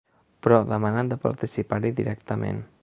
Però demanen de participar-hi directament.